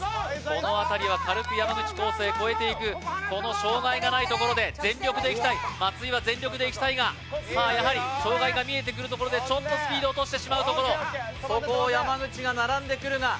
このあたりは軽く山口浩勢越えていくこの障害がないところで松井は全力でいきたいがやはり障害が見えてくるところでちょっとスピード落としてしまうところそこを山口が並んでくるが